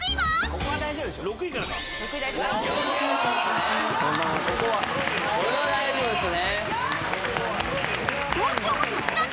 これは大丈夫ですね。